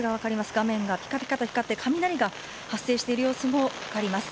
画面がぴかぴかと光って、雷が発生している様子も分かります。